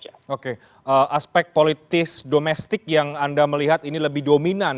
jadi apakah aspek politis domestik yang anda melihat ini lebih dominan